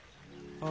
ああ。